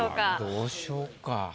どうしようか。